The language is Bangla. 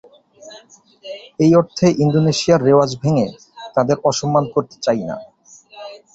এই অর্থে ইন্দোনেশিয়ার রেওয়াজ ভেঙে তাঁদের অসম্মান করতে চাই না।